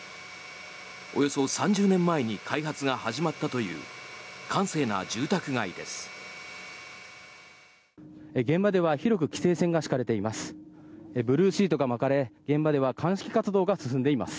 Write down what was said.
およそ３０年前に開発が始まったという閑静な住宅街です。